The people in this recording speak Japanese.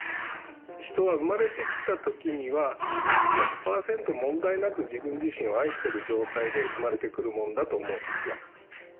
人は生まれてきた時には１００％問題なく自分自身を愛してる状態で生まれてくるもんだと思うんですよ。